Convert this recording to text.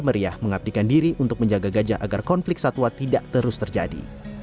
mereka sendiri untuk menjaga gajah agar konflik satwa tidak terus terjadi